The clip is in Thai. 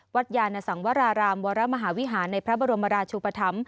ยานสังวรารามวรมหาวิหารในพระบรมราชุปธรรม